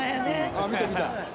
あっ見た見た。